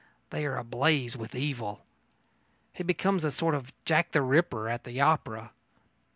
They are ablaze with evil. He becomes a sort of Jack the Ripper at the opera.